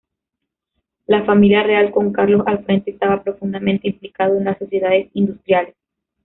La familia real con Carlos al frente estaba profundamente implicado en las sociedades industriales.